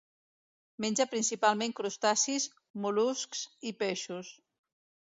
Menja principalment crustacis, mol·luscs i peixos.